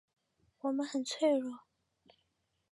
我们很脆弱